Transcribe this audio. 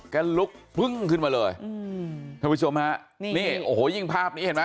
ก็ลุกเพิ่งขึ้นมาเลยทุกผู้ชมฮะโอ้โหยิ่งภาพนี้เห็นไหม